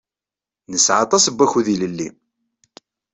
Nesɛa aṭas n wakud ilelli.